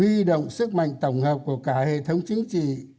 huy động sức mạnh tổng hợp của cả hệ thống chính trị